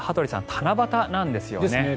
七夕なんですよね。